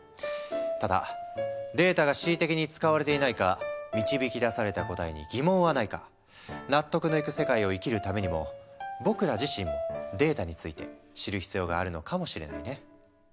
ただデータが恣意的に使われていないか導き出された答えに疑問はないか納得のいく世界を生きるためにも僕ら自身もデータについて知る必要があるのかもしれないね。